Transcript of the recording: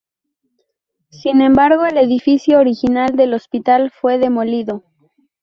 Sin embargo, el edificio original del Hospital fue demolido.